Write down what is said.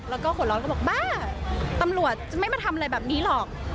แล้วก็หัวร้อนก็บอกบ้าตำรวจจะไม่มาทำอะไรแบบนี้หรอก